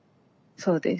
そうです。